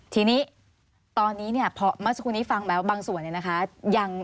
ทีนี้ตอนนี้เพราะเมื่อสักครู่นี้ฟังไหมว่าบางส่วน